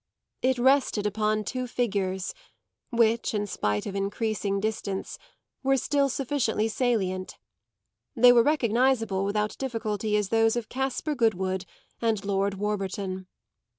It rested upon two figures which, in spite of increasing distance, were still sufficiently salient; they were recognisable without difficulty as those of Caspar Goodwood and Lord Warburton.